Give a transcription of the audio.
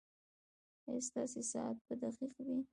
ایا ستاسو ساعت به دقیق وي؟